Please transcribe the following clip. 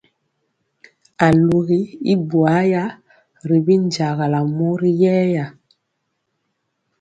Alugi y buaya ri binjagala mori yɛɛya.